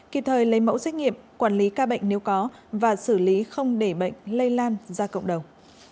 kịp thời lấy mẫu xét nghiệm quản lý ca bệnh nếu có và xử lý không để bệnh lây lan ra cộng đồng